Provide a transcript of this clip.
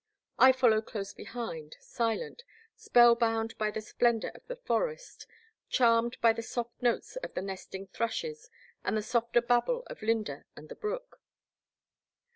I followed close behind, silent, spellbound by the splendour of the forest, charmed by the soft notes of the nesting thrushes and the softer babble of Lynda and the brook.